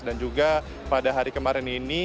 dan juga pada hari kemarin ini